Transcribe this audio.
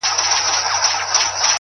o دلته اوسم ـ